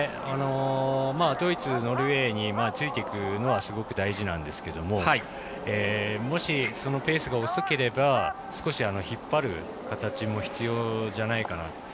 ドイツ、ノルウェーについていくのはすごく大事なんですがもし、ペースが遅ければ少し引っ張る形も必要じゃないかな。